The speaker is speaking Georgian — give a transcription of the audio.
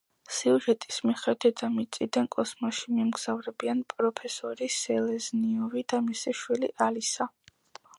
სიუჟეტის მიხედვით, დედამიწიდან კოსმოსში მიემგზავრებიან პროფესორი სელეზნიოვი და მისი შვილი ალისა.